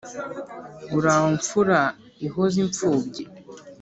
uraho mfura ihoza imfubyi